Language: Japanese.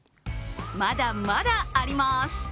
まだまだあります。